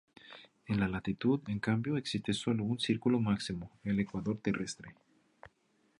En la latitud, en cambio, existe sólo un círculo máximo: el ecuador terrestre.